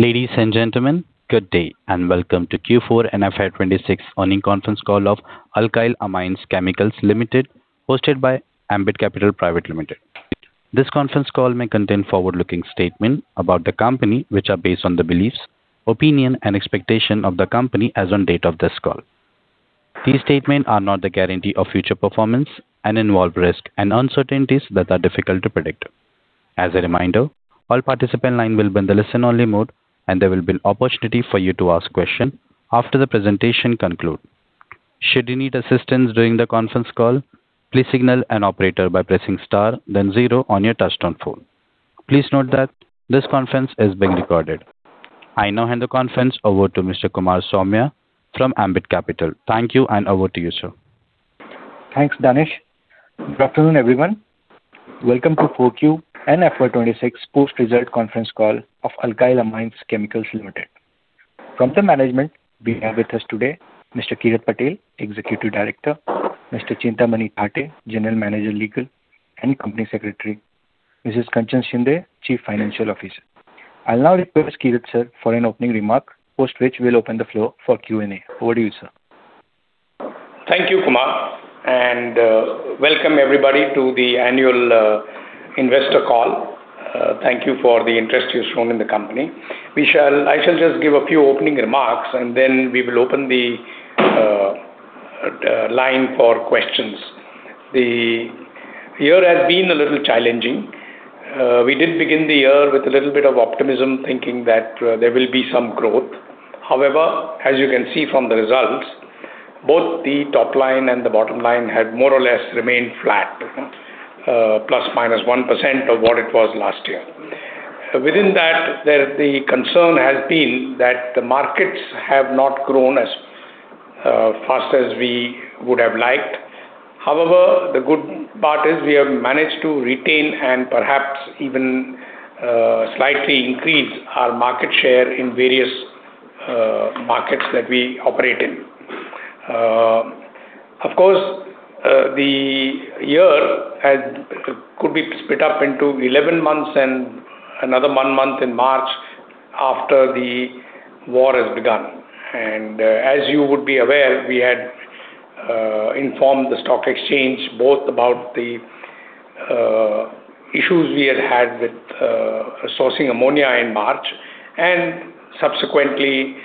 Ladies and gentlemen, good day, and welcome to Q4 and FY 2026 earnings conference call of Alkyl Amines Chemicals Limited, hosted by Ambit Capital Private Limited. This conference call may contain forward-looking statements about the company which are based on the beliefs, opinions, and expectations of the company as on date of this call. These statements are not the guarantee of future performance and involve risks and uncertainties that are difficult to predict. As a reminder, all participant lines will be in the listen only mode, and there will be an opportunity for you to ask questions after the presentation conclude. Should you need assistance during the conference call, please signal an operator by pressing star then 0 on your touch-tone phone. Please note that this conference is being recorded. I now hand the conference over to Mr. Kumar Saumya from Ambit Capital. Thank you, and over to you, sir. Thanks, Danish. Good afternoon, everyone. Welcome to 4Q and FY 2026 post-result conference call of Alkyl Amines Chemicals Limited. From the management, we have with us today Mr. Kirat Patel, Executive Director; Mr. Chintamani Thatte, General Manager (Legal) & Company Secretary; Mrs. Kanchan Shinde, Chief Financial Officer. I'll now request Kirat, sir, for an opening remark, post which we'll open the floor for Q&A. Over to you, sir. Thank you, Kumar, and welcome everybody to the annual investor call. Thank you for the interest you've shown in the company. I shall just give a few opening remarks, and then we will open the line for questions. The year has been a little challenging. We did begin the year with a little bit of optimism, thinking that there will be some growth. However, as you can see from the results, both the top line and the bottom line have more or less remained flat, plus minus 1% of what it was last year. Within that, the concern has been that the markets have not grown as fast as we would have liked. However, the good part is we have managed to retain and perhaps even slightly increase our market share in various markets that we operate in. Of course, the year could be split up into 11 months and another one month in March after the war has begun. As you would be aware, we had informed the stock exchange both about the issues we had with sourcing ammonia in March and subsequently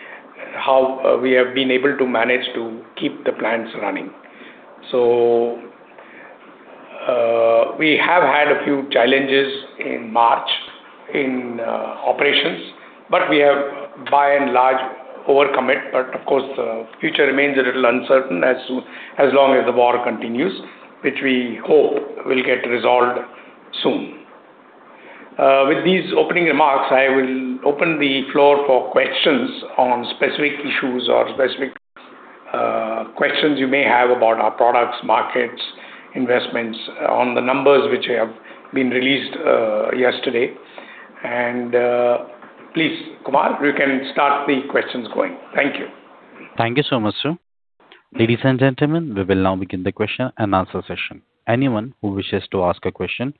how we have been able to manage to keep the plants running. We have had a few challenges in March in operations, but we have by and large overcome it. Of course, the future remains a little uncertain as soon as long as the war continues, which we hope will get resolved soon. With these opening remarks, I will open the floor for questions on specific issues or specific questions you may have about our products, markets, investments, on the numbers which have been released yesterday. Please, Kumar, you can start the questions going. Thank you. Thank you so much, sir. Ladies and gentlemen, we will now begin the question and answer session. Anyone who wishes to ask a question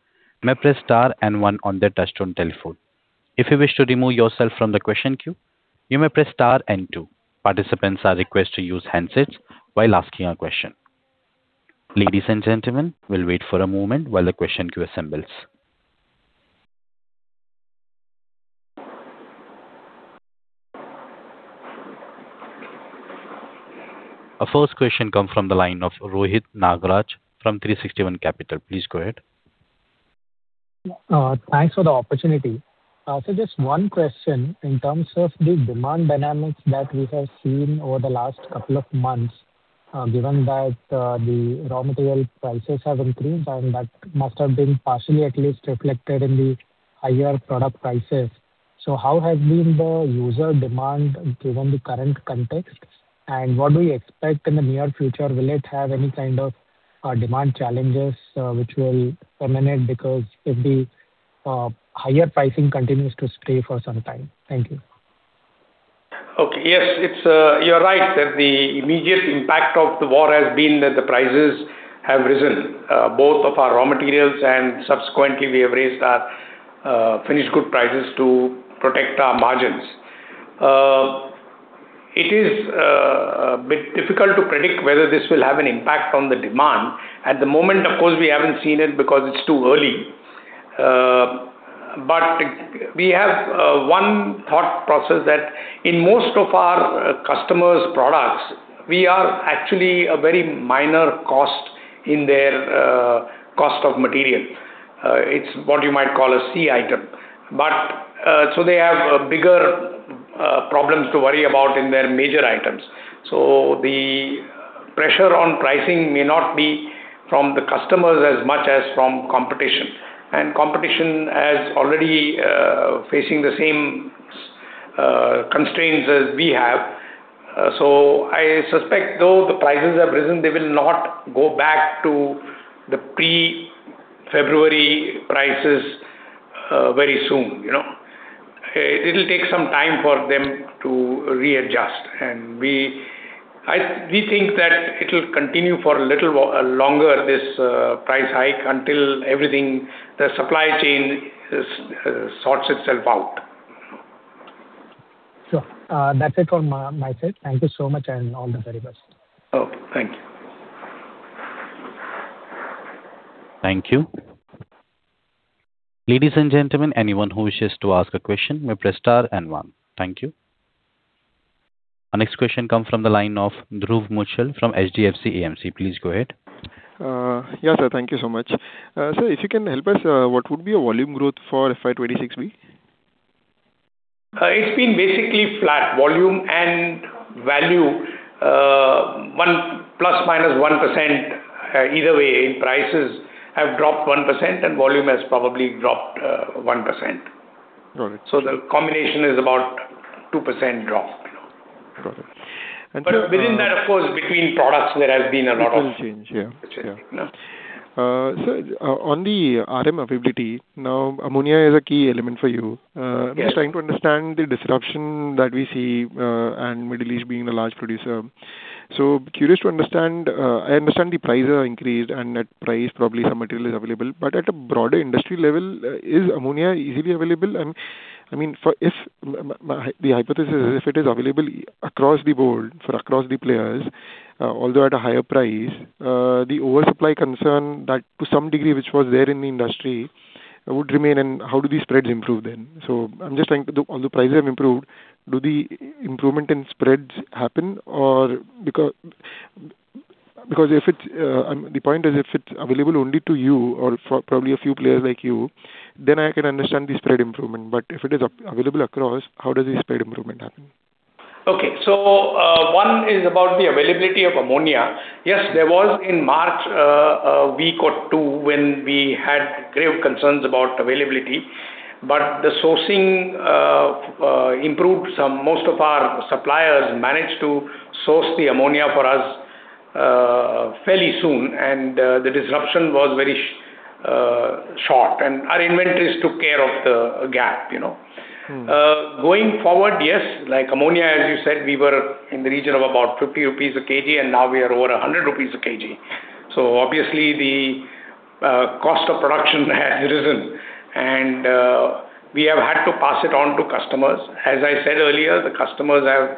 may press star and one on their touchtone telephone. If you wish to remove yourself from the question queue, you may press star and two. Participants are requested to use handsets while asking a question. Ladies and gentlemen, we will wait for a moment while the question queue assembles. Our first question comes from the line of Rohit Nagraj from 360 ONE Capital. Please go ahead. Thanks for the opportunity. Just one question in terms of the demand dynamics that we have seen over the last couple of months, given that the raw material prices have increased and that must have been partially at least reflected in the higher product prices. How has been the user demand given the current context, and what do you expect in the near future? Will it have any kind of demand challenges, which will remain because if the higher pricing continues to stay for some time? Thank you. Yes, it's You're right that the immediate impact of the war has been that the prices have risen, both of our raw materials and subsequently we have raised our finished good prices to protect our margins. It is a bit difficult to predict whether this will have an impact on the demand. At the moment, of course, we haven't seen it because it's too early. We have one thought process that in most of our customers' products, we are actually a very minor cost in their cost of material. It's what you might call a C item. They have bigger problems to worry about in their major items. The pressure on pricing may not be from the customers as much as from competition. Competition is already facing the same constraints as we have. I suspect though the prices have risen, they will not go back to the pre-February prices very soon, you know. It'll take some time for them to readjust, and we think that it will continue for a little longer, this price hike, until everything, the supply chain is sorts itself out. Sure. That's it from my side. Thank you so much, and all the very best. Okay. Thank you. Thank you. Ladies and gentlemen, anyone who wishes to ask a question may press star and one. Thank you. Our next question comes from the line of Dhruv Muchhal from HDFC AMC. Please go ahead. Yeah, sir. Thank you so much. Sir, if you can help us, what would be your volume growth for FY 2026 be? It's been basically flat. Volume and value, ±1% either way in prices have dropped 1% and volume has probably dropped 1%. Got it. The combination is about 2% drop, you know. Got it. Within that, of course, between products there has been. Little change. Yeah. Yeah. You know. On the RM availability, ammonia is a key element for you. Yeah. I'm just trying to understand the disruption that we see, and Middle East being a large producer. Curious to understand, I understand the prices are increased and at price probably some material is available. At a broader industry level, is ammonia easily available? I mean, for if the hypothesis is if it is available across the board for across the players, although at a higher price, the oversupply concern that to some degree which was there in the industry would remain and how do these spreads improve then? I'm just trying to do On the prices have improved, do the improvement in spreads happen or because the point is if it's available only to you or for probably a few players like you, then I can understand the spread improvement. If it is available across, how does the spread improvement happen? One is about the availability of ammonia. Yes, there was in March a week or two when we had grave concerns about availability, but the sourcing improved some. Most of our suppliers managed to source the ammonia for us fairly soon, and the disruption was very short, and our inventories took care of the gap, you know. Going forward, yes. Like ammonia, as you said, we were in the region of about 50 rupees a kg, and now we are over 100 rupees a kg. Obviously the cost of production has risen and we have had to pass it on to customers. As I said earlier, the customers have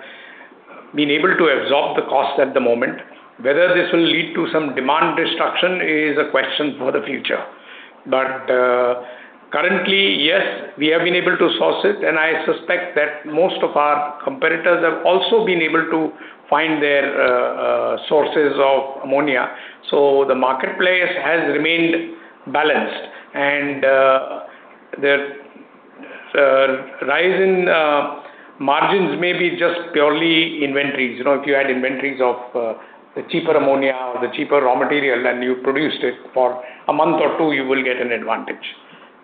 been able to absorb the cost at the moment. Whether this will lead to some demand destruction is a question for the future. Currently, yes, we have been able to source it, and I suspect that most of our competitors have also been able to find their sources of ammonia. The marketplace has remained balanced, and the rise in margins may be just purely inventories. You know, if you had inventories of the cheaper ammonia or the cheaper raw material and you produced it for a month or two, you will get an advantage.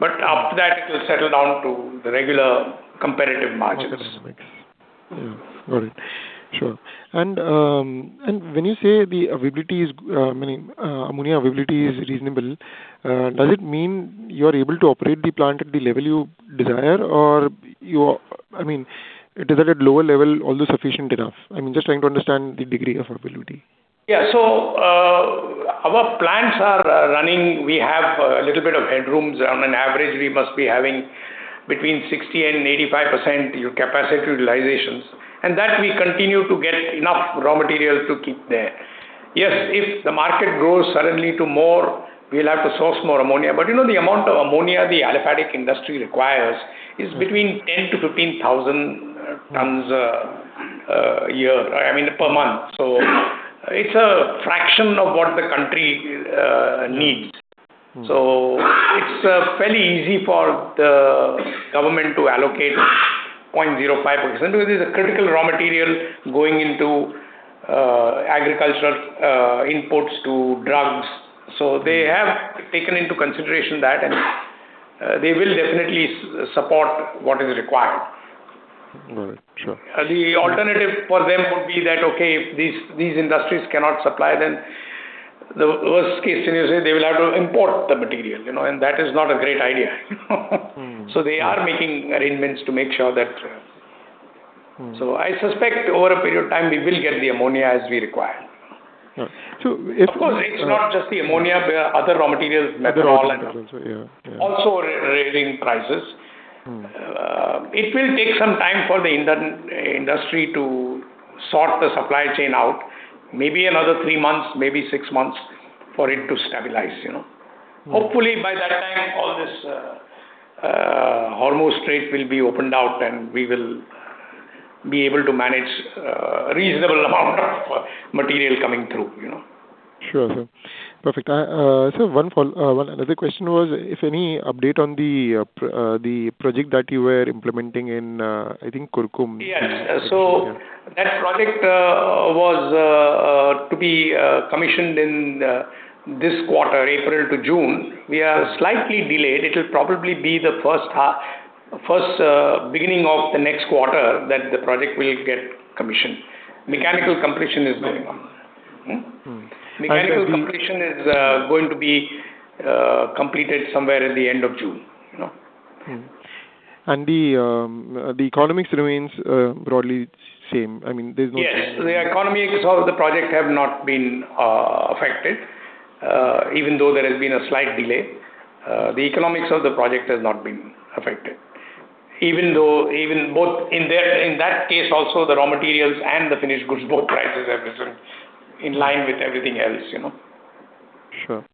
After that it will settle down to the regular competitive margins. Okay. Yeah. Got it. Sure. When you say the availability is, I mean, ammonia availability is reasonable, does it mean you're able to operate the plant at the level you desire or I mean, is it at lower level also sufficient enough? I mean, just trying to understand the degree of availability. Yeah. Our plants are running. We have a little bit of headroom. On an average, we must be having between 60% and 85% our capacity utilizations, and that we continue to get enough raw material to keep there. Yes, if the market grows suddenly to more, we will have to source more ammonia. You know the amount of ammonia the aliphatic industry requires is between 10,000-15,000 t a year, I mean, per month. It's a fraction of what the country needs. It's fairly easy for the government to allocate 0.05%. It's a critical raw material going into agricultural inputs to drugs. They have taken into consideration that and they will definitely support what is required. All right. Sure. The alternative for them would be that, okay, if these industries cannot supply, then the worst-case scenario say they will have to import the material, you know, and that is not a great idea, you know. They are making arrangements to make sure that. I suspect over a period of time we will get the ammonia as we require. Right. Of course, it's not just the ammonia, but other raw materials, methanol and. Other raw materials also. Yeah. Yeah. Also raising prices. It will take some time for the industry to sort the supply chain out, maybe another three months, maybe six months for it to stabilize, you know. Hopefully by that time all this, Hormuz trade will be opened out and we will be able to manage a reasonable amount of material coming through, you know. Sure, sir. Perfect. Sir, one another question was if any update on the project that you were implementing in, I think Kurkumbh? Yes. That project was to be commissioned in this quarter, April to June. We are slightly delayed. It will probably be the beginning of the next quarter that the project will get commissioned. Mechanical completion is good. The mechanical completion is going to be completed somewhere at the end of June, you know. The economics remains broadly same. Yes. The economics of the project have not been affected. Even though there has been a slight delay, the economics of the project has not been affected. Even though in that case also, the raw materials and the finished goods, both prices have risen in line with everything else, you know. Sure.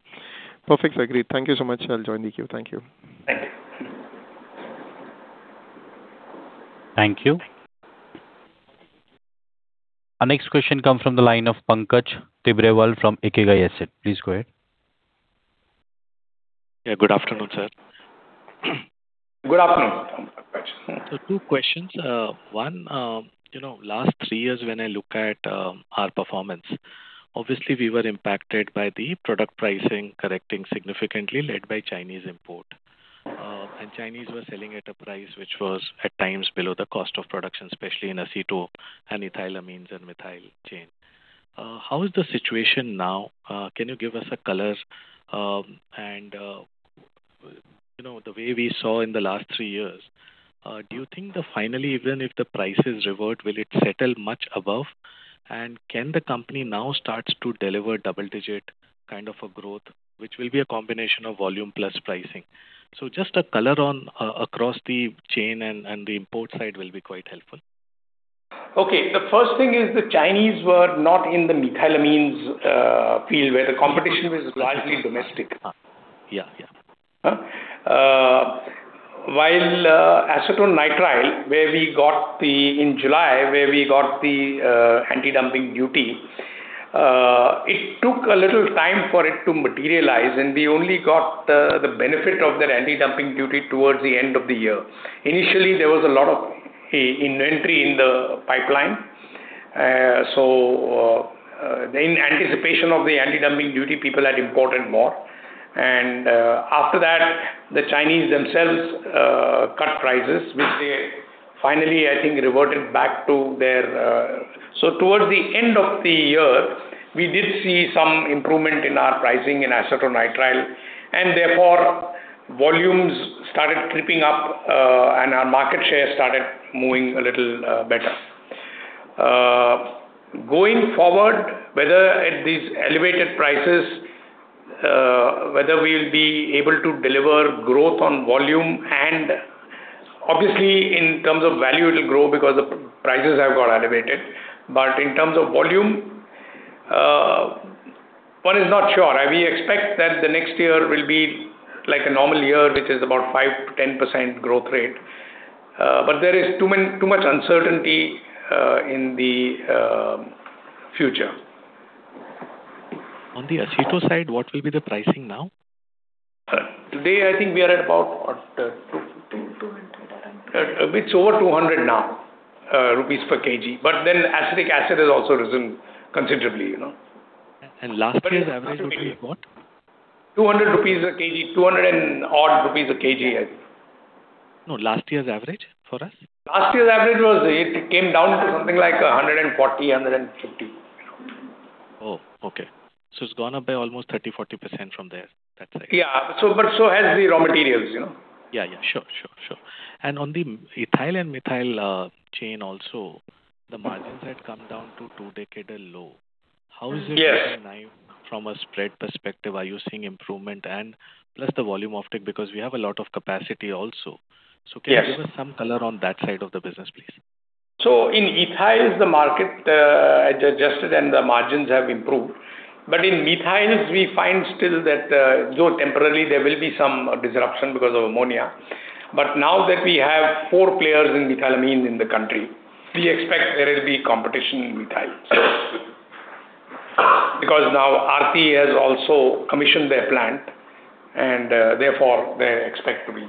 Perfect. Agreed. Thank you so much. I'll join the queue. Thank you. Thank you. Thank you. Our next question comes from the line of Pankaj Tibrewal from IKIGAI Asset. Please go ahead. Yeah, good afternoon, sir. Good afternoon, Pankaj. Two questions. One, you know, last three years when I look at our performance, obviously we were impacted by the product pricing correcting significantly led by Chinese import. And Chinese were selling at a price which was at times below the cost of production, especially in aceto and ethylamines and methyl chain. How is the situation now? Can you give us a color? And, you know, the way we saw in the last three years, do you think that finally even if the prices revert, will it settle much above? Can the company now starts to deliver double-digit kind of a growth, which will be a combination of volume plus pricing? Just a color on across the chain and the import side will be quite helpful. Okay. The first thing is the Chinese were not in the methylamines field where the competition was largely domestic. Yeah. Yeah. While acetonitrile, where we got the, in July, where we got the anti-dumping duty, it took a little time for it to materialize, and we only got the benefit of that anti-dumping duty towards the end of the year. Initially, there was a lot of inventory in the pipeline. In anticipation of the anti-dumping duty, people had imported more. After that, the Chinese themselves cut prices. Towards the end of the year, we did see some improvement in our pricing in acetonitrile, and therefore volumes started creeping up, and our market share started moving a little better. Going forward, whether at these elevated prices, whether we'll be able to deliver growth on volume and obviously in terms of value it'll grow because the prices have got elevated. In terms of volume, one is not sure. We expect that the next year will be like a normal year, which is about 5%-10% growth rate. There is too many, too much uncertainty in the future. On the aceto side, what will be the pricing now? Today, I think we are at about what? 2, 200. A bit over 200 rupees now, per kg. Acetic acid has also risen considerably, you know. Last year's average would be what? 200 rupees a kg, 200 odd a kg, I think. No, last year's average for us. Last year's average was, it came down to something like 140, 150. Okay. It's gone up by almost 30%, 40% from there, that side. Yeah. Has the raw materials, you know. Yeah, yeah. Sure. Sure. Sure. On the ethyl and methyl chain also, the margins had come down to two decade low. Yes. How is it looking now from a spread perspective? Are you seeing improvement and plus the volume of it? Because we have a lot of capacity also. Yes. Can you give us some color on that side of the business, please? In ethyl the market adjusted and the margins have improved. In methyl we find still that, though temporarily there will be some disruption because of ammonia. Now that we have four players in methylamine in the country, we expect there will be competition in methyl. Now Aarti has also commissioned their plant, and therefore, they expect to be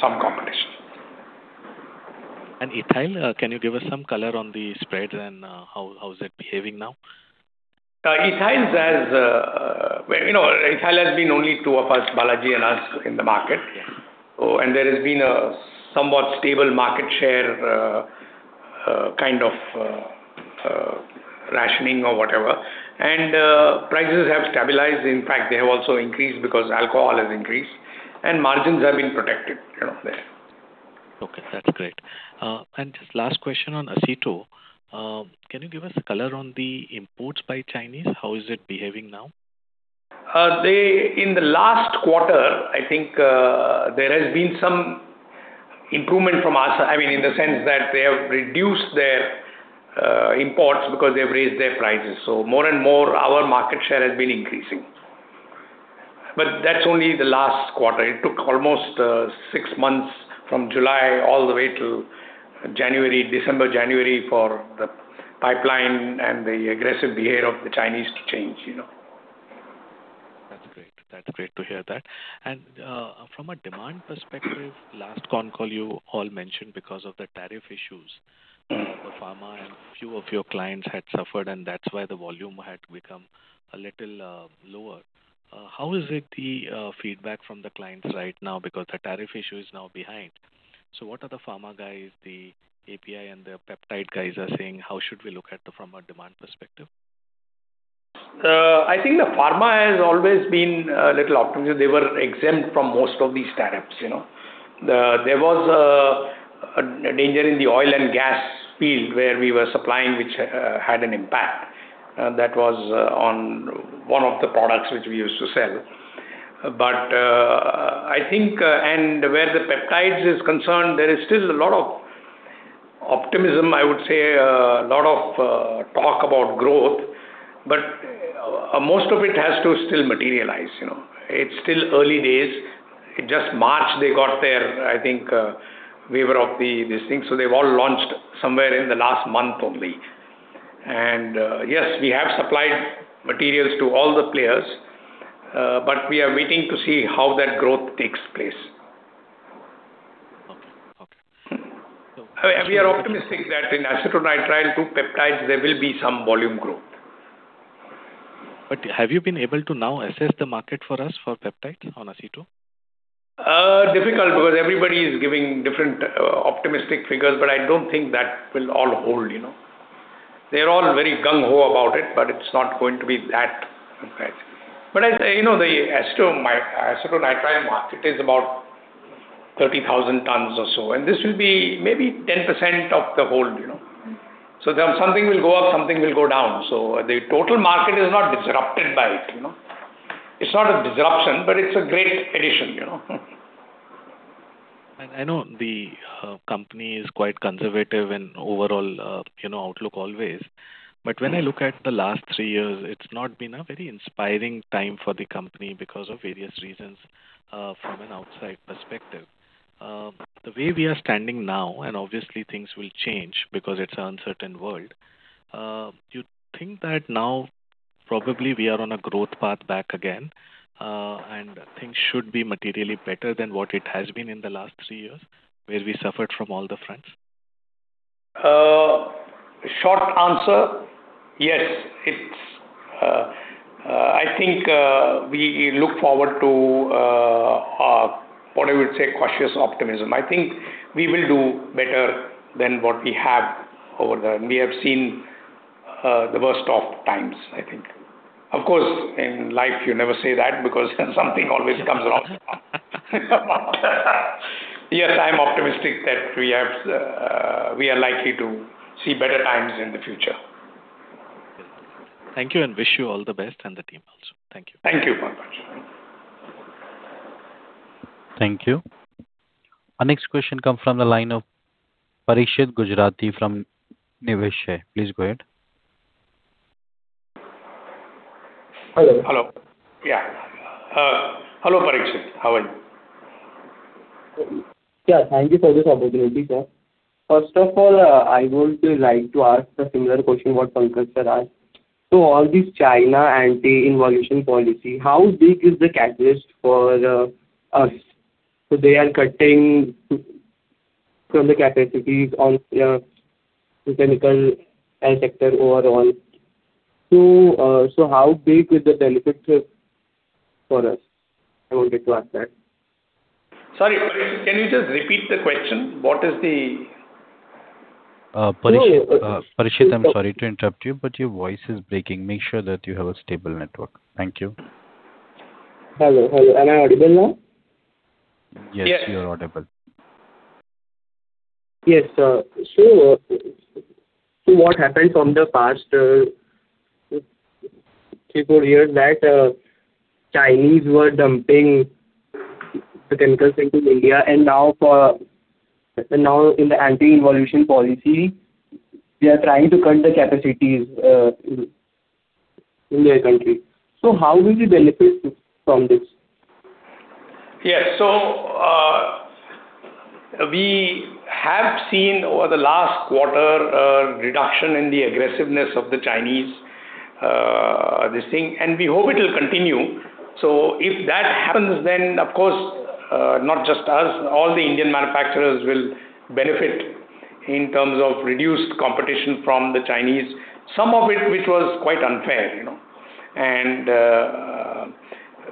some competition. Ethyl, can you give us some color on the spread and, how is it behaving now? ethyl's as, well, you know, ethyl has been only two of us, Balaji and us in the market. Yeah. There has been a somewhat stable market share, kind of, rationing or whatever. Prices have stabilized. In fact, they have also increased because alcohol has increased and margins have been protected, you know, there. Okay, that's great. Just last question on aceto, can you give us color on the imports by Chinese? How is it behaving now? In the last quarter, I think, there has been some improvement from us. I mean, in the sense that they have reduced their imports because they've raised their prices. More and more our market share has been increasing. That's only the last quarter. It took almost six months from July all the way till January, December, January for the pipeline and the aggressive behavior of the Chinese to change, you know. That's great. That's great to hear that. From a demand perspective, last con call you all mentioned because of the tariff issues, the pharma and few of your clients had suffered, and that's why the volume had become a little lower. How is it the feedback from the clients right now? Because the tariff issue is now behind. What are the pharma guys, the API and the peptide guys are saying, how should we look at the pharma demand perspective? I think the pharma has always been a little optimistic. They were exempt from most of these tariffs, you know. There was a danger in the oil and gas field where we were supplying, which had an impact. That was on one of the products which we used to sell. I think, and where the peptides is concerned, there is still a lot of optimism, I would say, a lot of talk about growth, most of it has to still materialize, you know. It's still early days. In just March they got their, I think, waiver of this thing. They've all launched somewhere in the last month only. Yes, we have supplied materials to all the players, we are waiting to see how that growth takes place. Okay. Okay. We are optimistic that in acetonitrile to peptides there will be some volume growth. Have you been able to now assess the market for us for peptide on aceto? Difficult because everybody is giving different optimistic figures, but I don't think that will all hold, you know. They're all very gung-ho about it, but it's not going to be that fantastic. As, you know, the acetonitrile market is about 30,000 t or so, and this will be maybe 10% of the whole, you know. There something will go up, something will go down. The total market is not disrupted by it, you know. It's not a disruption, but it's a great addition, you know. I know the company is quite conservative in overall, you know, outlook always. When I look at the last three years, it's not been a very inspiring time for the company because of various reasons, from an outside perspective. The way we are standing now, and obviously things will change because it's an uncertain world, do you think that now probably we are on a growth path back again, and things should be materially better than what it has been in the last three years, where we suffered from all the fronts? Short answer, yes. It's, I think, we look forward to what I would say cautious optimism. I think we will do better than what we have. We have seen the worst of times, I think. Of course, in life you never say that because something always comes along. Yes, I'm optimistic that we have, we are likely to see better times in the future. Thank you, and wish you all the best and the team also. Thank you. Thank you very much. Thank you. Our next question comes from the line of Parikshit Gujarati from Niveshaay Please go ahead. Hello. Hello. Yeah. Hello, Parikshit. How are you? Yeah, thank you for this opportunity, sir. First of all, I would like to ask a similar question what Pankaj sir asked. All this China anti-involution policy, how big is the catalyst for us? They are cutting from the capacities on the chemical sector overall. How big is the benefit for us? I wanted to ask that. Sorry, Parikshit, can you just repeat the question? Parikshit, I'm sorry to interrupt you. Your voice is breaking. Make sure that you have a stable network. Thank you. Hello. Hello. Am I audible now? Yes, you are audible. Yes. Yes, sir. What happened from the past, three, four years that Chinese were dumping the chemicals into India and now in the anti-involution policy, they are trying to cut the capacities in their country. How will we benefit from this? Yes. We have seen over the last quarter, reduction in the aggressiveness of the Chinese, this thing, and we hope it will continue. If that happens, then of course, not just us, all the Indian manufacturers will benefit in terms of reduced competition from the Chinese, some of it which was quite unfair, you know.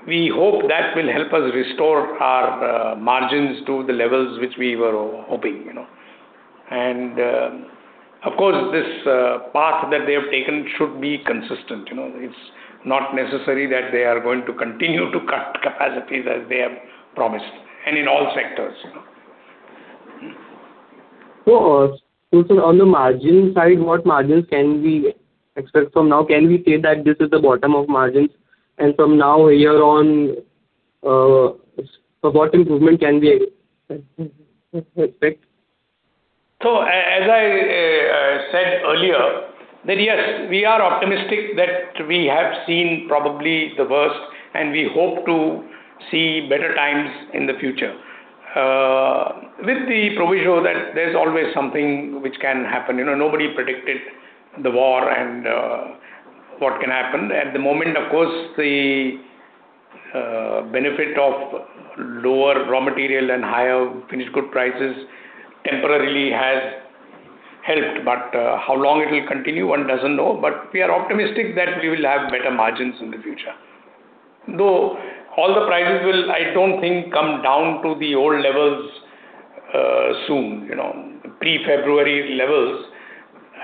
We hope that will help us restore our margins to the levels which we were hoping, you know. Of course, this path that they have taken should be consistent, you know. It's not necessary that they are going to continue to cut capacities as they have promised, and in all sectors, you know. Sir, on the margin side, what margins can we expect from now? Can we say that this is the bottom of margins and from now year on, what improvement can we expect? As I said earlier, that yes, we are optimistic that we have seen probably the worst, and we hope to see better times in the future. With the proviso that there's always something which can happen. You know, nobody predicted the war and what can happen. At the moment, of course, the benefit of lower raw material and higher finished good prices temporarily has helped. How long it will continue, one doesn't know. We are optimistic that we will have better margins in the future. Though all the prices will, I don't think, come down to the old levels soon. You know, pre-February levels,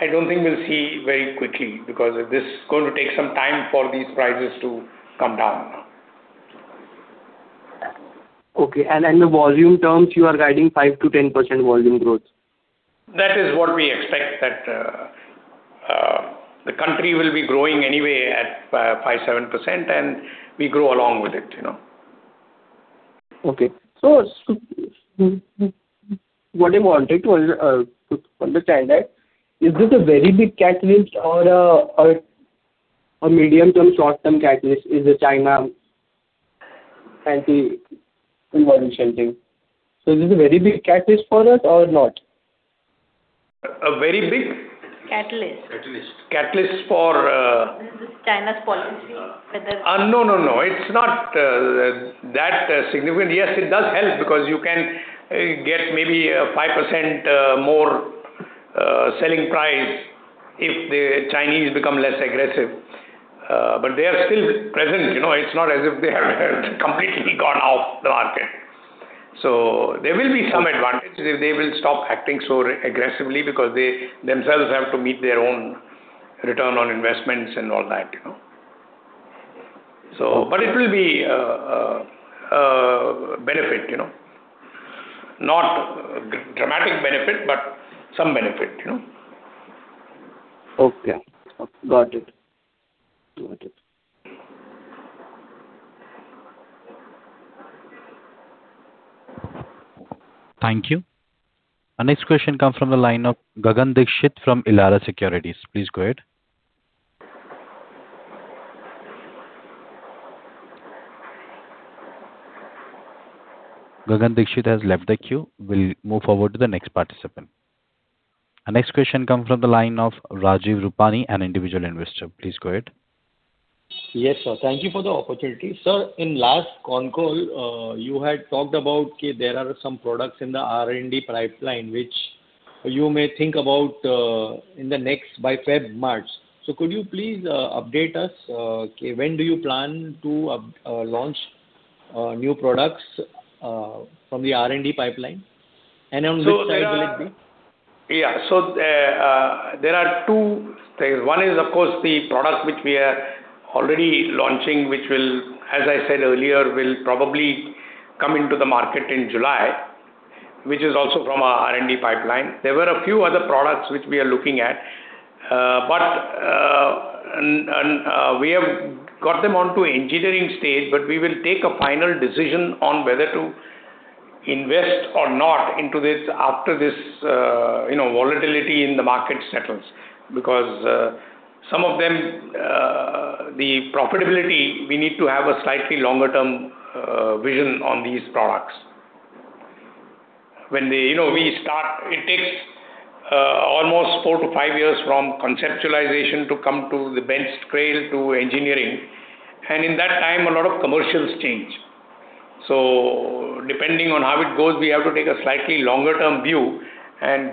I don't think we'll see very quickly because this is going to take some time for these prices to come down. Okay. In the volume terms, you are guiding 5%-10% volume growth. That is what we expect, that, the country will be growing anyway at 5%-7%, and we grow along with it, you know. Okay. What I wanted to understand that, is this a very big catalyst or a medium-term, short-term catalyst? Is it China anti-pollution thing? Is it a very big catalyst for us or not? A very big? Catalyst. Catalyst. Catalyst for, This China's policy. No, no. It's not that significant. Yes, it does help because you can get maybe a 5% more selling price if the Chinese become less aggressive. They are still present, you know. It's not as if they have completely gone off the market. There will be some advantage if they will stop acting so aggressively because they themselves have to meet their own return on investments and all that, you know. But it will be a benefit, you know. Not a dramatic benefit, but some benefit, you know. Okay. Got it. Got it. Thank you. Our next question comes from the line of Gagan Dixit from Elara Securities. Please go ahead. Gagan Dixit has left the queue. We'll move forward to the next participant. Our next question comes from the line of Jai Rupani, an individual investor. Please go ahead. Yes, sir. Thank you for the opportunity. Sir, in last con call, you had talked about there are some products in the R&D pipeline which you may think about in the next by Feb, March. Could you please update us when do you plan to launch new products from the R&D pipeline? On which side will it be? Yeah. There are two things. One is, of course, the product which we are already launching, which will, as I said earlier, will probably come into the market in July, which is also from our R&D pipeline. There were a few other products which we are looking at. We have got them onto engineering stage, but we will take a final decision on whether to invest or not into this after this, you know, volatility in the market settles. Because some of them, the profitability, we need to have a slightly longer term vision on these products. When, you know, we start, it takes almost 4-5 years from conceptualization to come to the bench scale to engineering. In that time, a lot of commercials change. Depending on how it goes, we have to take a slightly longer term view.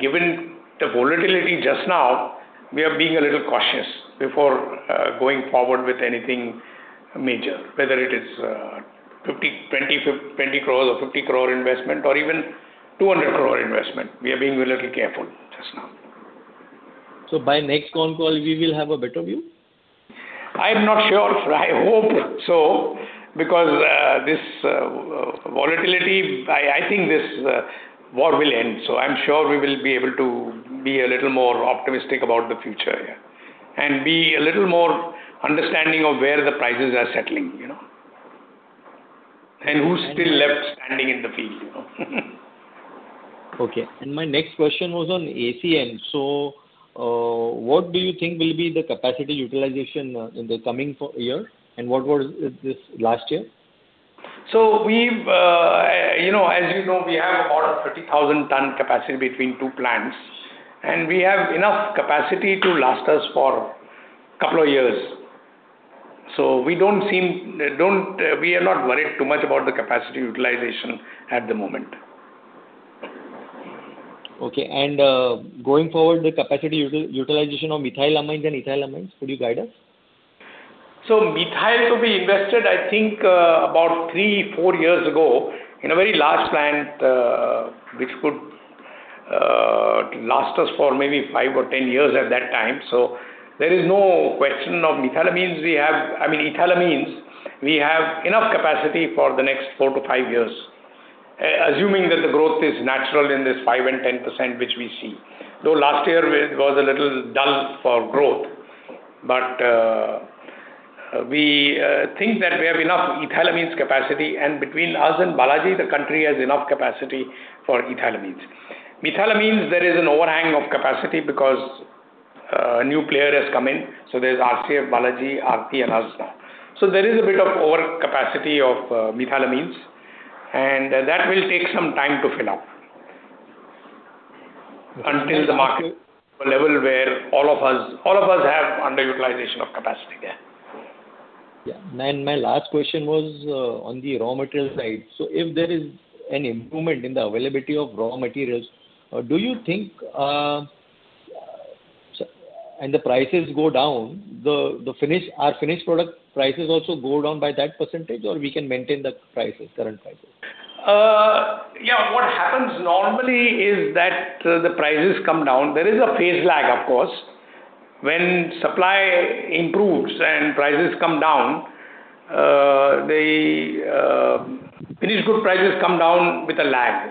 Given the volatility just now, we are being a little cautious before going forward with anything major, whether it is 50, 20 crore or 50 crore investment or even 200 crore investment. We are being a little careful just now. By next con call, we will have a better view? I'm not sure. I hope so, because this volatility, I think this war will end. I'm sure we will be able to be a little more optimistic about the future, yeah, and be a little more understanding of where the prices are settling, you know, and who's still left standing in the field, you know. Okay. My next question was on ACN. What do you think will be the capacity utilization in the coming year, and what was it this last year? We've, you know, as you know, we have about 30,000 tons capacity between two plants, and we have enough capacity to last us for two years. We are not worried too much about the capacity utilization at the moment. Okay. going forward, the capacity utilization of methylamines and ethylamines, could you guide us? Methyl to be invested, I think, about three, four years ago in a very large plant, which could last us for maybe five or 10 years at that time. There is no question of methylamines. I mean, ethylamines, we have enough capacity for the next four to five years, assuming that the growth is natural in this 5% and 10% which we see. Though last year it was a little dull for growth, we think that we have enough ethylamines capacity, and between us and Balaji, the country has enough capacity for ethylamines. Methylamines, there is an overhang of capacity because a new player has come in. There's RCF, Balaji, Aarti, and us now. There is a bit of overcapacity of methylamines, and that will take some time to fill up until the market to a level where all of us have underutilization of capacity there. Yeah. My last question was on the raw material side. If there is any improvement in the availability of raw materials, do you think, and the prices go down, our finished product prices also go down by that percentage, or we can maintain the prices, current prices? Yeah. What happens normally is that the prices come down. There is a phase lag, of course. When supply improves and prices come down, the finished good prices come down with a lag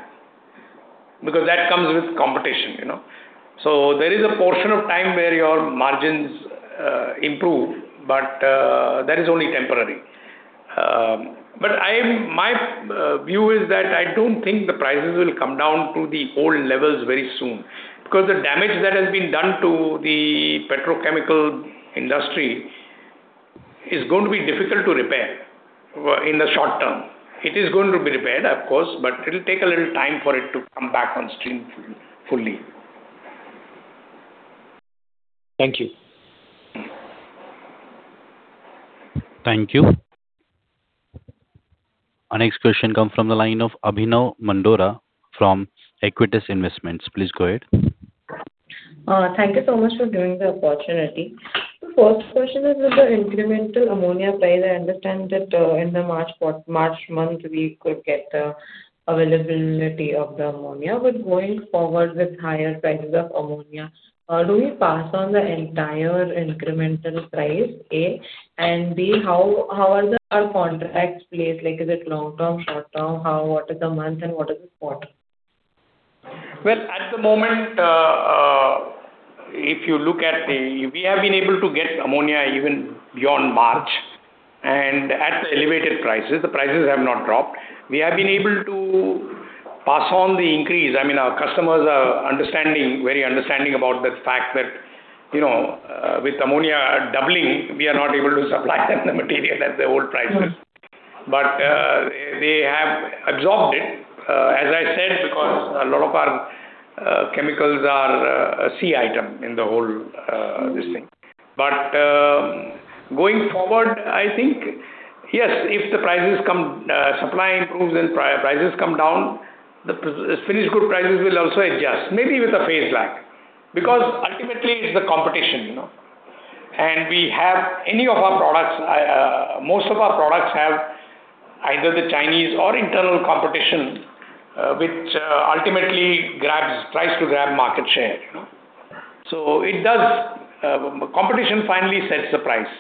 because that comes with competition, you know. There is a portion of time where your margins improve, but that is only temporary. I'm, my view is that I don't think the prices will come down to the old levels very soon, because the damage that has been done to the petrochemical industry is going to be difficult to repair in the short term. It is going to be repaired, of course, but it'll take a little time for it to come back on stream fully. Thank you. Thank you. Our next question comes from the line of Abhinav Mandowara from Aequitas Investments. Please go ahead. Thank you so much for giving the opportunity. The first question is with the incremental ammonia price. I understand that in the March month, we could get the availability of the ammonia. Going forward with higher prices of ammonia, do we pass on the entire incremental price, A? B, how are our contracts placed? Like, is it long-term, short-term? What is the month and what is the quarter? Well, at the moment, if you look at the We have been able to get ammonia even beyond March. At the elevated prices, the prices have not dropped. We have been able to pass on the increase. I mean, our customers are understanding, very understanding about the fact that, you know, with ammonia doubling, we are not able to supply them the material at the old prices. They have absorbed it as I said because a lot of our chemicals are a C item in the whole this thing. Going forward, I think, yes, if the prices come, supply improves and prices come down, the finished good prices will also adjust, maybe with a phase lag. Ultimately it's the competition, you know. We have any of our products, most of our products have either the Chinese or internal competition, which ultimately grabs, tries to grab market share, you know. It does, competition finally sets the price.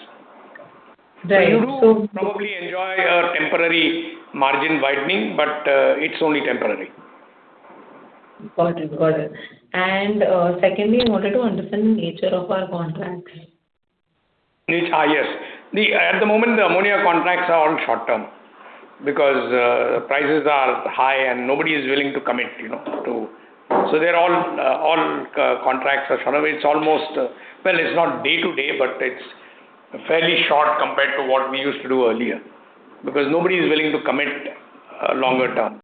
Right. You do probably enjoy a temporary margin widening, but it's only temporary. Got it. Secondly, wanted to understand the nature of our contracts. Yes. The at the moment, the ammonia contracts are all short-term because prices are high and nobody is willing to commit, you know. They're all contracts are sort of, it's almost, well, it's not day to day, but it's fairly short compared to what we used to do earlier. Because nobody is willing to commit longer term.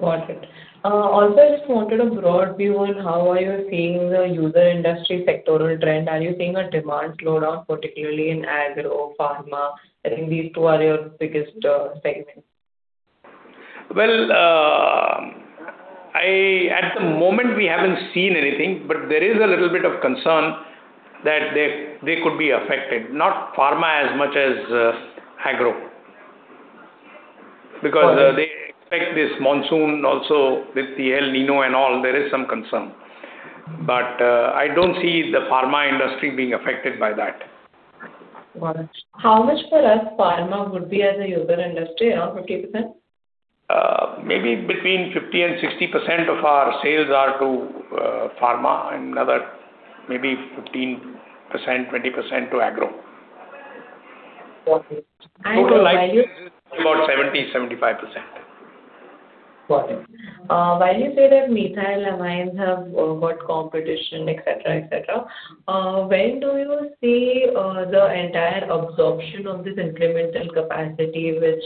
Got it. Also, I just wanted a broad view on how are you seeing the user industry sectoral trend. Are you seeing a demand slowdown, particularly in agro, pharma? I think these two are your biggest segments. Well, at the moment, we haven't seen anything. There is a little bit of concern that they could be affected. Not pharma as much as agro. Got it. They expect this monsoon also with the El Niño and all, there is some concern. I don't see the pharma industry being affected by that. Got it. How much, perhaps, pharma would be as a user industry? Around 50%? Maybe between 50% and 60% of our sales are to pharma, and another maybe 15%, 20% to agro. Got it. Total life sciences is about 70%-75%. Got it. While you say that methylamines have got competition, et cetera, et cetera, when do you see the entire absorption of this incremental capacity which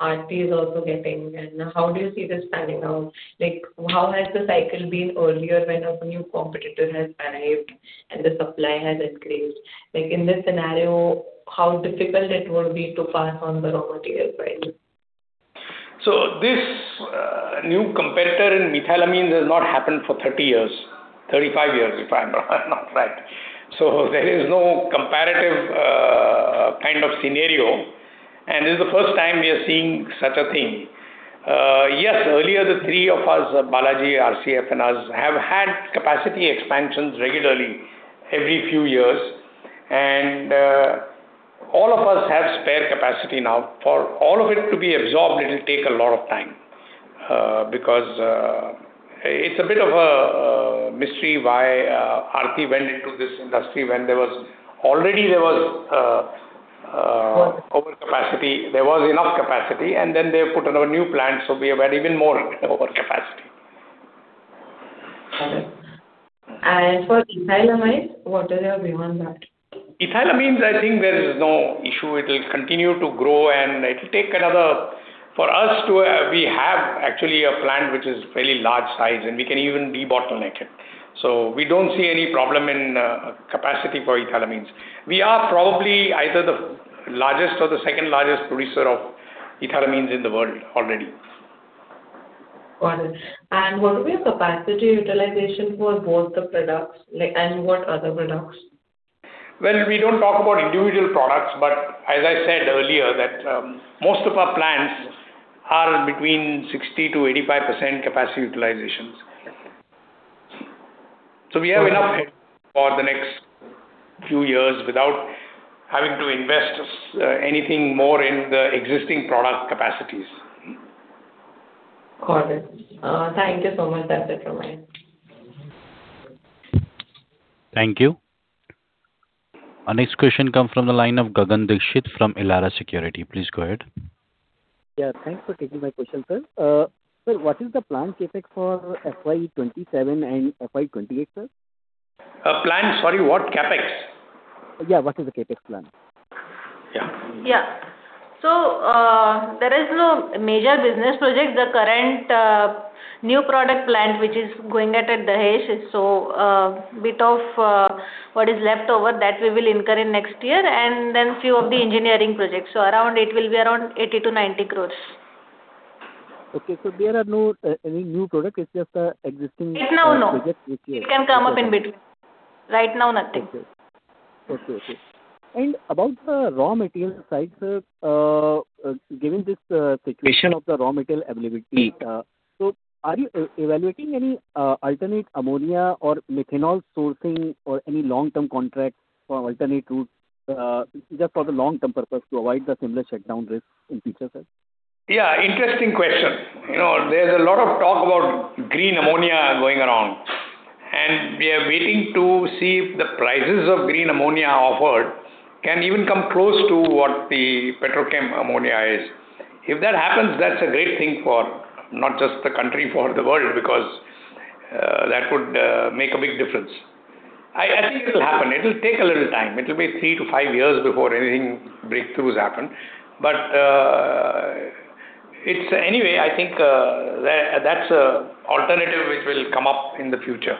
Aarti is also getting, and how do you see this panning out? Like, how has the cycle been earlier when a new competitor has arrived and the supply has increased? Like in this scenario, how difficult it would be to pass on the raw material price? This new competitor in methylamines has not happened for 30 years, 35 years, if I'm not right. There is no comparative kind of scenario, and this is the first time we are seeing such a thing. Yes, earlier, the three of us, Balaji, RCF, and us, have had capacity expansions regularly every few years. All of us have spare capacity now. For all of it to be absorbed, it'll take a lot of time. Because it's a bit of a mystery why Aarti went into this industry. Sure overcapacity. There was enough capacity, and then they put another new plant, so we have had even more overcapacity. Got it. For ethylamines, what is your view on that? Ethylamines, I think there is no issue. It'll continue to grow, and we have actually a plant which is fairly large size, and we can even debottleneck it. We don't see any problem in capacity for ethylamines. We are probably either the largest or the second-largest producer of ethylamines in the world already. Got it. What will be your capacity utilization for both the products, like, and what are the products? We don't talk about individual products, but as I said earlier, that, most of our plants are between 60% to 85% capacity utilizations. Okay. We have enough for the next few years without having to invest anything more in the existing product capacities. Got it. Thank you so much. That's it from my end. Thank you. Our next question comes from the line of Gagan Dixit from Elara Securities. Please go ahead. Yeah, thanks for taking my question, sir. Sir, what is the plant CapEx for FY 2027 and FY 2028, sir? Plant, sorry, what CapEx? Yeah, what is the CapEx plan? Yeah. Yeah. There is no major business project. The current new product plant which is going at Dahej is so bit of what is left over that we will incur in next year, few of the engineering projects. Around it will be around 80 crores- 90 crores. Okay. There are no any new product. Right now, no. project which is- It can come up in between. Right now, nothing. Okay. Okay, okay. About the raw material side, sir, given this situation of the raw material availability, are you evaluating any alternate ammonia or methanol sourcing or any long-term contract for alternate routes, just for the long-term purpose to avoid the similar shutdown risk in future, sir? Yeah, interesting question. You know, there's a lot of talk about green ammonia going around, and we are waiting to see if the prices of green ammonia offered can even come close to what the petrochem ammonia is. If that happens, that's a great thing for not just the country, for the world, because that would make a big difference. I think it'll happen. It'll take a little time. It'll be three to five years before anything breakthroughs happen. Anyway, I think that's a alternative which will come up in the future.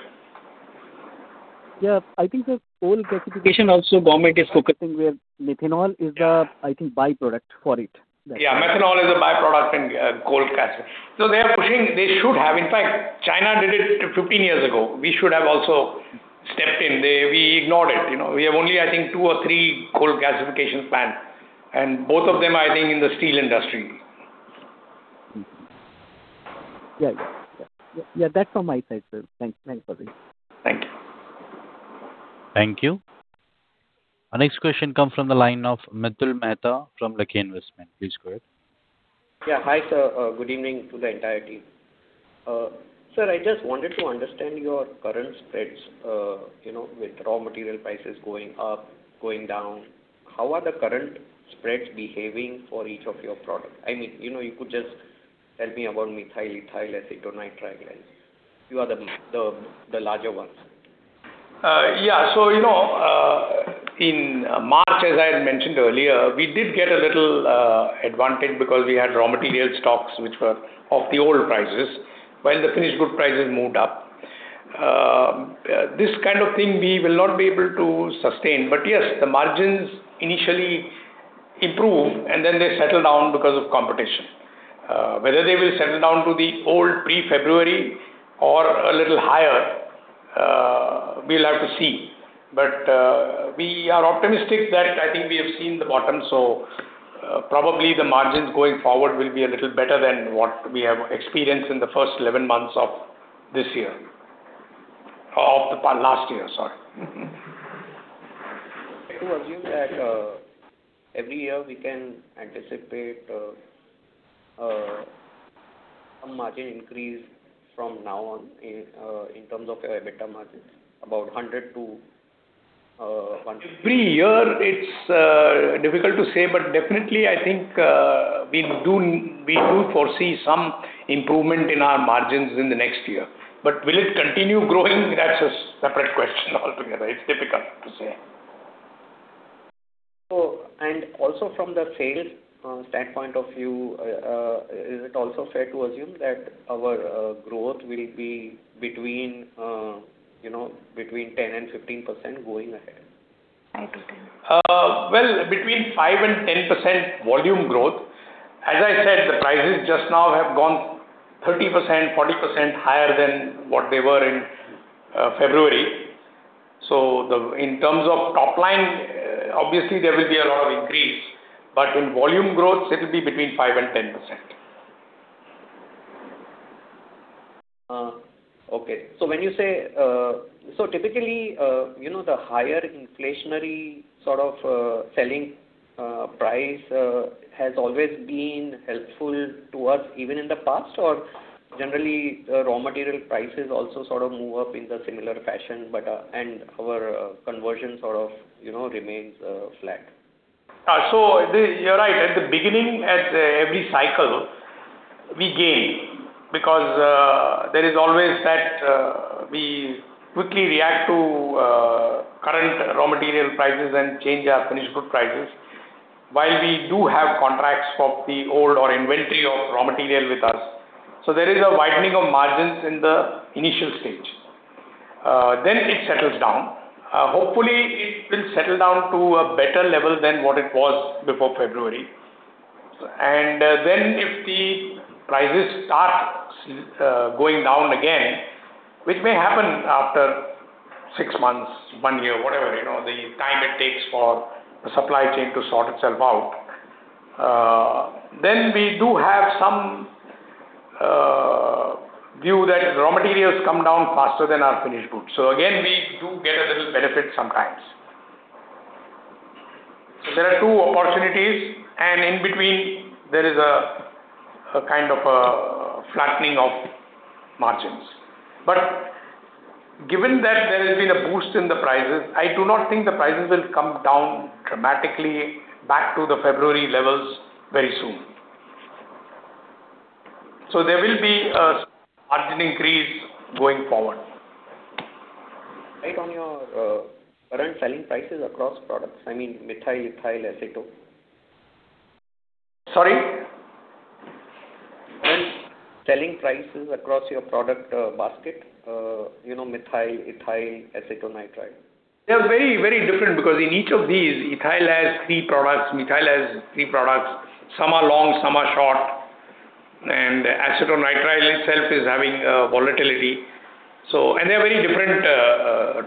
Yeah. I think the coal gasification also government is focusing where methanol is the, I think, by-product for it. Yeah. Methanol is a by-product in coal gas. They are pushing. They should have. In fact, China did it 15 years ago. We should have also stepped in. We ignored it, you know. We have only, I think, two or three coal gasification plant, and both of them are, I think, in the steel industry. Yeah, yeah. Yeah, that's from my side, sir. Thanks. Thanks for this. Thank you. Thank you. Our next question comes from the line of Mitul Mehta from Lucky Investment. Please go ahead. Yeah. Hi, sir. good evening to the entire team. Sir, I just wanted to understand your current spreads, you know, with raw material prices going up, going down. How are the current spreads behaving for each of your products? I mean, you know, you could just tell me about methyl ethyl acetonitrile and few other, the larger ones. Yeah. You know, in March, as I had mentioned earlier, we did get a little advantage because we had raw material stocks which were of the old prices, while the finished good prices moved up. This kind of thing we will not be able to sustain. Yes, the margins initially improve, and then they settle down because of competition. Whether they will settle down to the old pre-February or a little higher, we'll have to see. We are optimistic that I think we have seen the bottom. Probably the margins going forward will be a little better than what we have experienced in the first 11 months of this year. Of last year, sorry. Fair to assume that every year we can anticipate a margin increase from now on in terms of EBITDA margins, about 100 to 100- Every year, it's difficult to say, but definitely I think we do foresee some improvement in our margins in the next year. Will it continue growing? That's a separate question altogether. It's difficult to say. Also from the sales standpoint of view, is it also fair to assume that our growth will be between, you know, between 10% and 15% going ahead? 5% to 10%. Well, between 5% and 10% volume growth. As I said, the prices just now have gone 30%, 40% higher than what they were in February. The, in terms of top line, obviously there will be a lot of increase, but in volume growth, it will be between 5% and 10%. Okay. Typically, you know, the higher inflationary sort of selling price has always been helpful to us even in the past, or generally the raw material prices also sort of move up in the similar fashion, but, and our conversion sort of, you know, remains flat? You're right. At the beginning at every cycle we gain because there is always that we quickly react to current raw material prices and change our finished good prices while we do have contracts of the old or inventory of raw material with us. There is a widening of margins in the initial stage. It settles down. Hopefully it will settle down to a better level than what it was before February. If the prices start going down again, which may happen after six months, one year, whatever, you know, the time it takes for the supply chain to sort itself out, then we do have some view that raw materials come down faster than our finished goods. Again, we do get a little benefit sometimes. There are two opportunities, and in between there is a kind of a flattening of margins. Given that there has been a boost in the prices, I do not think the prices will come down dramatically back to the February levels very soon. There will be a margin increase going forward. Right. On your current selling prices across products, I mean, methyl, ethyl, acetyl. Sorry? Current selling prices across your product basket, you know, methyl, ethyl, acetonitrile. They are very, very different because in each of these, ethyl has three products, methyl has three products. Some are long, some are short. Acetonitrile itself is having a volatility. They are very different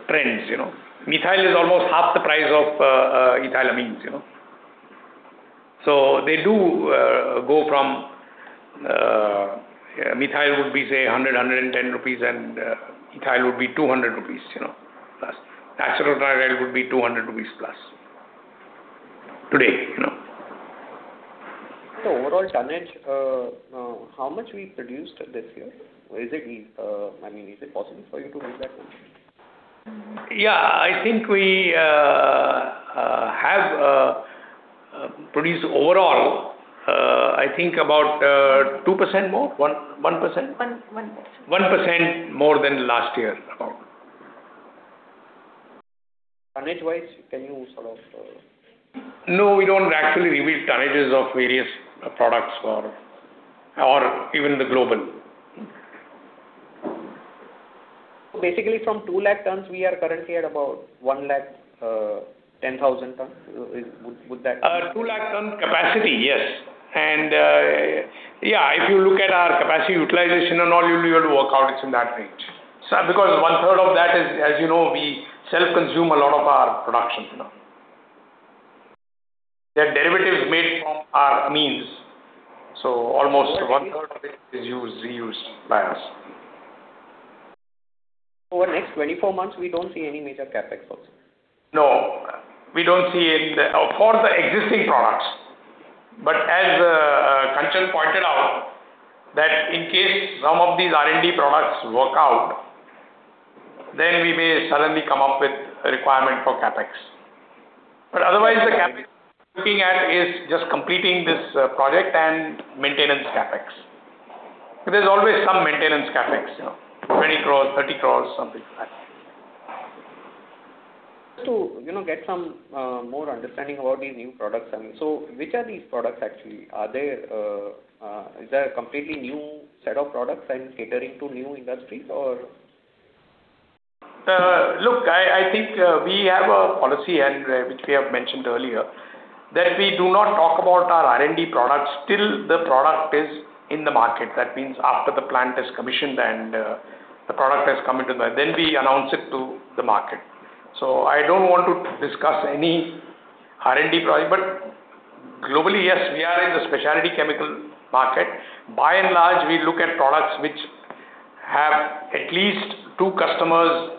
trends, you know. Methyl is almost half the price of ethylamines, you know. They do go from, methyl would be, say, 100-110 rupees and ethyl would be 200 rupees, you know, plus. Acetonitrile would be 200+ rupees. Today, you know. Overall tonnage, how much we produced this year? Is it, I mean, is it possible for you to give that information? Yeah, I think we have produced overall, I think about 2% more, 1%? 1%. 1% more than last year, about. Tonnage-wise, can you sort of? No, we don't actually reveal tonnages of various products or even the global. Basically, from 2 lakh tons, we are currently at about 1 lakh, 10,000 tons. Would that be? 2 lakh ton capacity, yes. Yeah, if you look at our capacity utilization and all, you'll be able to work out it's in that range. Because one-third of that is, as you know, we self-consume a lot of our productions, you know. They're derivatives made from our amines. Almost 1/3 of it is used, reused by us. Over the next 24 months, we don't see any major CapEx also? No, we don't see it for the existing products. As Kanchan pointed out, that in case some of these R&D products work out, then we may suddenly come up with a requirement for CapEx. Otherwise, the CapEx we're looking at is just completing this project and maintenance CapEx. There's always some maintenance CapEx, you know, 20 crores, 30 crores, something like that. Just to, you know, get some more understanding about these new products. I mean, which are these products actually? Are they, is there a completely new set of products and catering to new industries or? Look, I think, we have a policy and which we have mentioned earlier, that we do not talk about our R&D products till the product is in the market. That means after the plant is commissioned and we announce it to the market. I don't want to discuss any R&D product. Globally, yes, we are in the specialty chemical market. By and large, we look at products which have at least two customers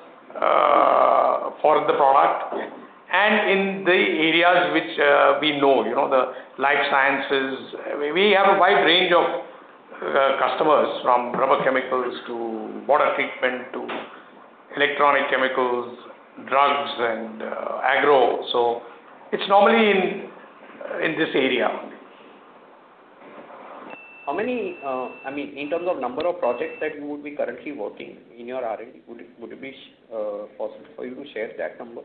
for the product. Yeah. In the areas which, we know, you know, the life sciences. We have a wide range of customers, from rubber chemicals to water treatment to electronic chemicals, drugs and agro. It's normally in this area. How many, I mean, in terms of number of projects that you would be currently working in your R&D, would it be possible for you to share that number?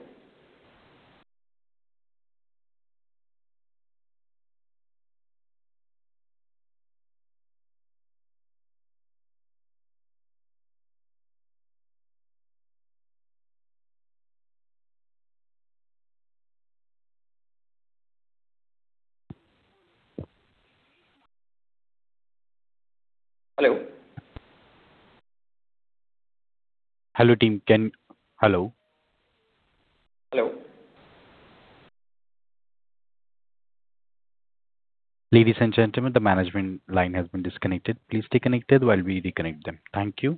Hello? Hello, team. Hello? Hello? Ladies and gentlemen, the management line has been disconnected. Please stay connected while we reconnect them. Thank you.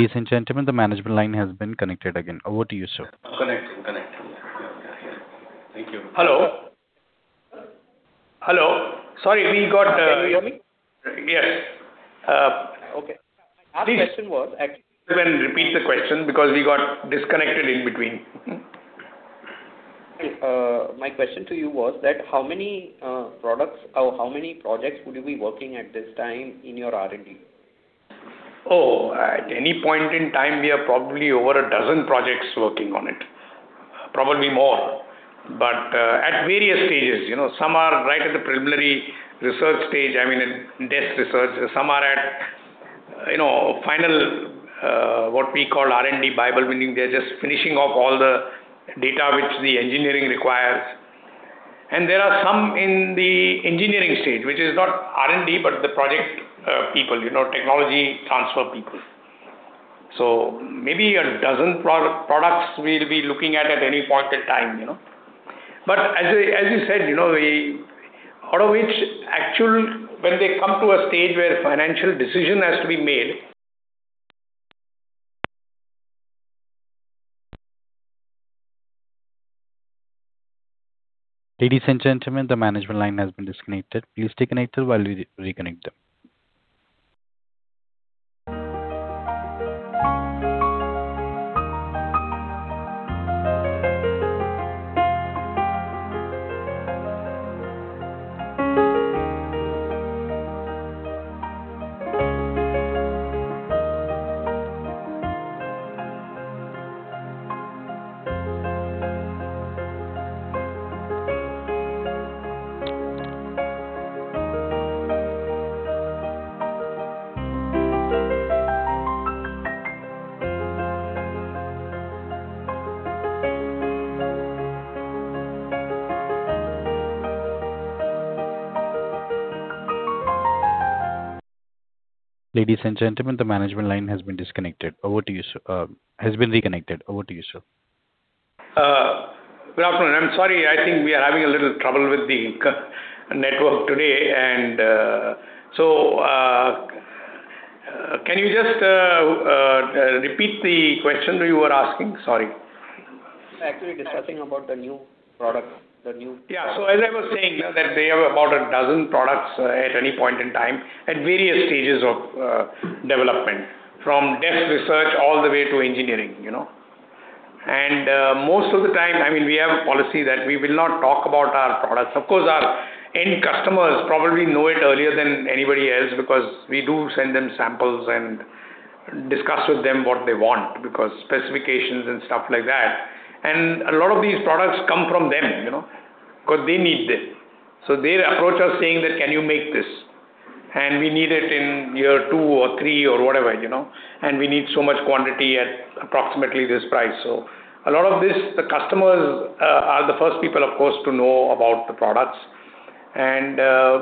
Ladies and gentlemen, the management line has been connected again. Over to you, sir. Connect. Connect. Thank you. Hello. Hello. Sorry, we got. Can you hear me? Yes. Okay. My question was actually. Repeat the question because we got disconnected in between. My question to you was that how many products or how many projects would you be working at this time in your R&D? At any point in time, we have probably over a dozen projects working on it, probably more. At various stages, you know. Some are right at the preliminary research stage, I mean, in desk research. Some are at, you know, final, what we call R&D Bible, meaning they're just finishing off all the data which the engineering requires. There are some in the engineering stage, which is not R&D, but the project people, you know, technology transfer people. Maybe a dozen products we'll be looking at at any point in time, you know. As you said, you know, Out of which actual when they come to a stage where financial decision has to be made. Ladies and gentlemen, the management line has been disconnected. Please stay connected while we reconnect them. Ladies and gentlemen, the management line has been disconnected. Over to you, has been reconnected. Over to you, sir. Good afternoon. I am sorry. I think we are having a little trouble with the network today. Can you just repeat the question you were asking? Sorry. Actually discussing about the new product. Yeah. As I was saying, that they have about 12 products at any point in time at various stages of development, from desk research all the way to engineering, you know. Most of the time, I mean, we have a policy that we will not talk about our products. Of course, our end customers probably know it earlier than anybody else because we do send them samples and discuss with them what they want, because specifications and stuff like that. A lot of these products come from them, you know, because they need this. Their approach of saying that, "Can you make this? We need it in year two or three or whatever, you know, and we need so much quantity at approximately this price. A lot of this, the customers, are the first people, of course, to know about the products.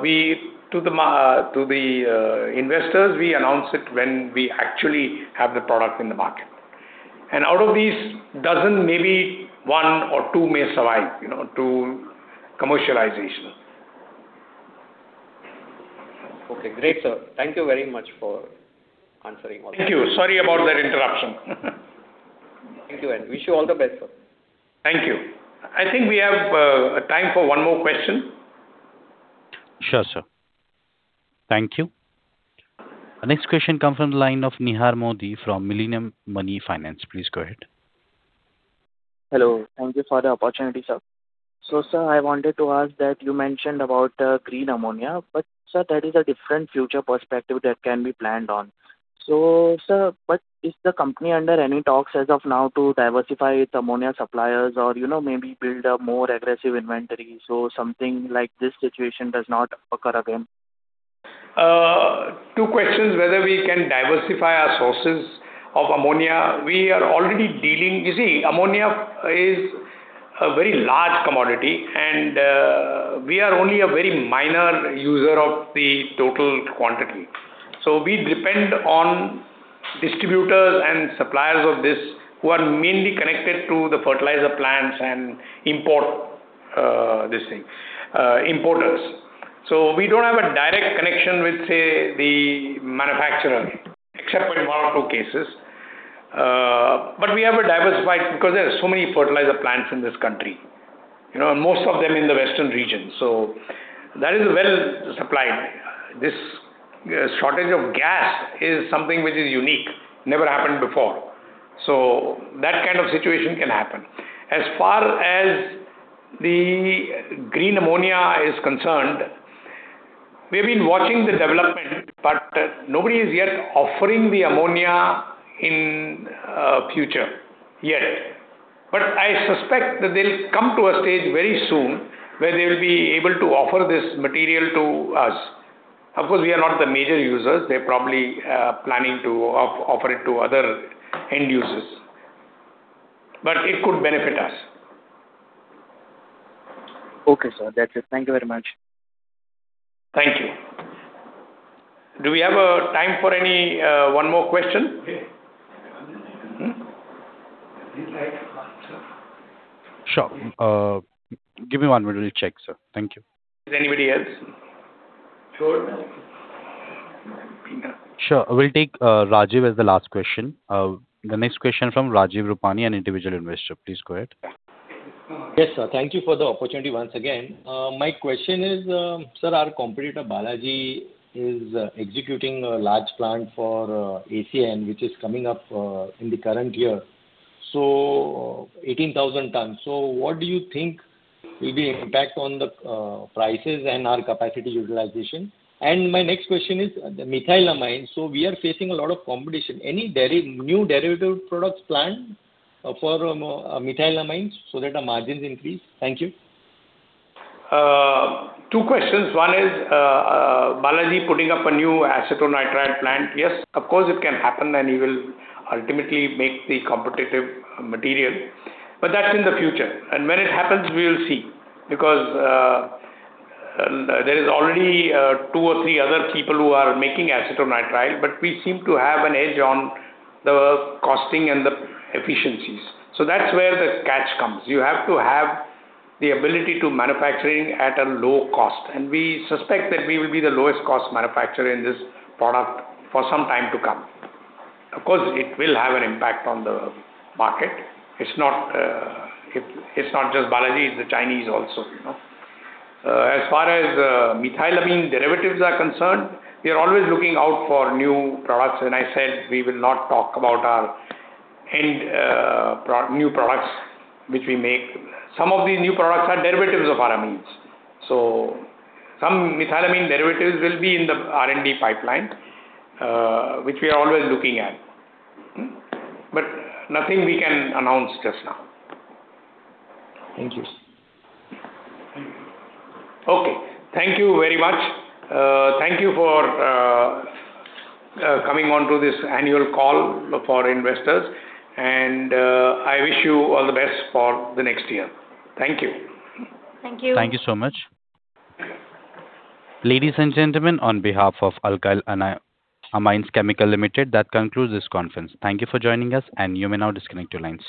We to the investors, we announce it when we actually have the product in the market. Out of these dozen, maybe one or two may survive, you know, to commercialization. Okay, great, sir. Thank you very much for answering all those. Thank you. Sorry about that interruption. Thank you, and wish you all the best, sir. Thank you. I think we have time for one more question. Sure, sir. Thank you. The next question comes from the line of [Nihar Modi] from Millennium Money Finance. Please go ahead. Hello. Thank you for the opportunity, sir. Sir, I wanted to ask that you mentioned about green ammonia, but sir, that is a different future perspective that can be planned on. Is the company under any talks as of now to diversify its ammonia suppliers or, you know, maybe build a more aggressive inventory so something like this situation does not occur again? Two questions, whether we can diversify our sources of ammonia. We are already dealing You see, ammonia is a very large commodity, and we are only a very minor user of the total quantity. We depend on distributors and suppliers of this who are mainly connected to the fertilizer plants and import this thing, importers. We don't have a direct connection with, say, the manufacturer, except for one or two cases. But we have a diversified because there are so many fertilizer plants in this country, you know, most of them in the western region. That is well supplied. This shortage of gas is something which is unique, never happened before. That kind of situation can happen. As far as the green ammonia is concerned, we've been watching the development, but nobody is yet offering the ammonia in future yet. I suspect that they'll come to a stage very soon where they will be able to offer this material to us. Of course, we are not the major users. They're probably planning to offer it to other end users. It could benefit us. Okay, sir. That's it. Thank you very much. Thank you. Do we have time for any one more question? Sure. Give me one minute. Let me check, sir. Thank you. Is there anybody else? Sure. We'll take Jai Rupani as the last question. The next question from Jai Rupani, an individual investor. Please go ahead. Yes, sir. Thank you for the opportunity once again. My question is, sir, our competitor, Balaji, is executing a large plant for ACN, which is coming up in the current year. 18,000 tons. What do you think will be impact on the prices and our capacity utilization? My next question is the methylamine. We are facing a lot of competition. Any new derivative products planned for methylamine so that our margins increase? Thank you. Two questions. One is, Balaji putting up a new acetonitrile plant. Yes, of course, it can happen, and he will ultimately make the competitive material. That's in the future. When it happens, we will see, because there is already two or three other people who are making acetonitrile, but we seem to have an edge on the costing and the efficiencies. That's where the catch comes. You have to have the ability to manufacturing at a low cost, and we suspect that we will be the lowest cost manufacturer in this product for some time to come. Of course, it will have an impact on the market. It's not just Balaji, it's the Chinese also, you know. As far as methylamines derivatives are concerned, we are always looking out for new products. I said, we will not talk about our end, new products which we make. Some of these new products are derivatives of our amines. Some methylamine derivatives will be in the R&D pipeline, which we are always looking at. Nothing we can announce just now. Thank you. Okay. Thank you very much. Thank you for coming on to this annual call for investors. I wish you all the best for the next year. Thank you. Thank you. Thank you so much. Ladies and gentlemen, on behalf of Alkyl Amines Chemicals Limited, that concludes this conference. Thank you for joining us, and you may now disconnect your lines.